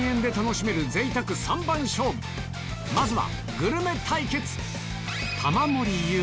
まずは